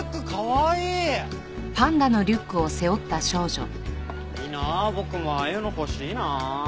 いいなあ僕もああいうの欲しいなあ。